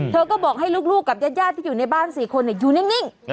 เธอก็บอกให้ลูกกับญาติที่อยู่ในบ้าน๔คนอยู่นิ่ง